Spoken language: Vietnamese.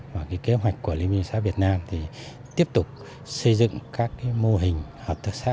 và kế hoạch của liên minh hợp tác xã việt nam tiếp tục xây dựng các mô hình hợp tác xã